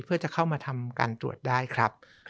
เพื่อจะเข้ามาทำการตรวจได้ครับ